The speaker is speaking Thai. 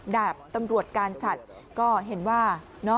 ดาบตำรวจการฉัดก็เห็นว่า